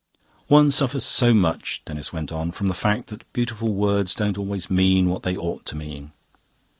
"One suffers so much," Denis went on, "from the fact that beautiful words don't always mean what they ought to mean.